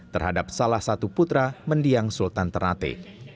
terhadap salah satu putra mendiang sultan ternate